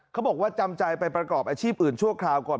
บอกว่าจำใจไปประกอบอาชีพอื่นชั่วคราวก่อน